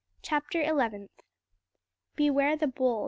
'" CHAPTER ELEVENTH. "Beware the bowl!